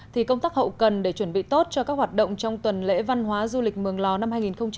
thì công tác hậu cần để chuẩn bị tốt cho các hoạt động trong tuần lễ văn hóa du lịch mường lò năm hai nghìn hai mươi